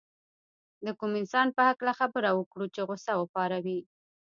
د کوم انسان په هکله خبره وکړو چې غوسه وپاروي.